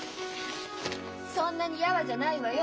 そんなにヤワじゃないわよ！